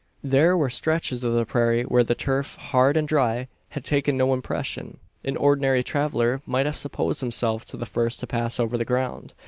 There were stretches of the prairie where the turf, hard and dry, had taken no impression. An ordinary traveller might have supposed himself the first to pass over the ground.